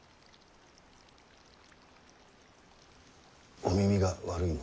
お耳が悪いのか。